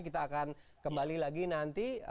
kita akan kembali lagi nanti